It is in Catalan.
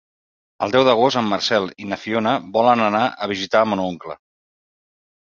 El deu d'agost en Marcel i na Fiona volen anar a visitar mon oncle.